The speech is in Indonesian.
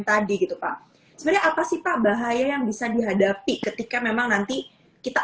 tadi gitu pak sebenarnya apa sih pak bahaya yang bisa dihadapi ketika memang nanti kita